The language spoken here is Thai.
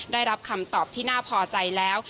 ได้รับคำตอบที่น่าพอใจแล้ว